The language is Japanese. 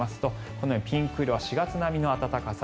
このようにピンク色は４月並みの暖かさ。